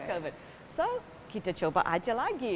jadi kita coba saja lagi